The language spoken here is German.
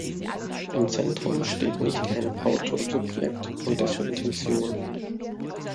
Im Zentrum steht nicht ein Autorsubjekt und dessen Intention.